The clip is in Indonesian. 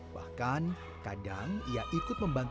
bahkan kadang ia ikut membantu